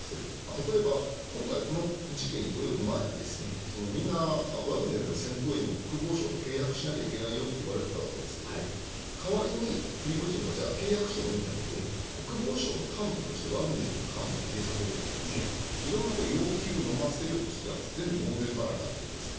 例えば、今回この事件に及ぶ前にみんな、ワグネルの戦闘員も国防省と契約しなきゃいけないよと言われていたわけですが代わりにプリゴジンは契約してもいいんだけど国防省の幹部としてワグネルの幹部を入れさせろとか色んな要求をのませようとしていたんですが全部門前払いになっているんです。